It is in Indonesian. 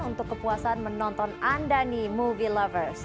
untuk kepuasan menonton anda nih movie lovers